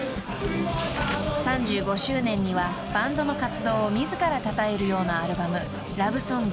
［３５周年にはバンドの活動を自らたたえるようなアルバム『ＬＯＶＥ☆ＳＯＮＧ